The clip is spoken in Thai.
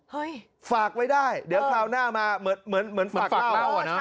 ไหนฝากไว้ได้เดี๋ยวคราวหน้ามาเหมือนเหมือนเหมือนฝากเล่าครับ